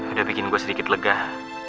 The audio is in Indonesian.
udah bikin gue sedikit lega